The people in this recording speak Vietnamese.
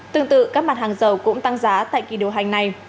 tương tự các mặt hàng dầu cũng tăng giá tại kỳ điều hành này